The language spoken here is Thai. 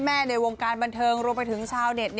ในวงการบันเทิงรวมไปถึงชาวเน็ต